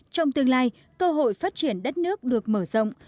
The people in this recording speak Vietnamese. trong tương lai cơ hội phát triển đất nước được mở rộng